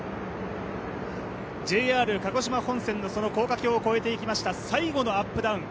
ＪＲ鹿児島本線のその高架橋を越えていきました、最後のアップダウン。